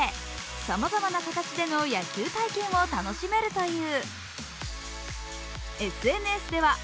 さまざまな形での野球体験を楽しめるという。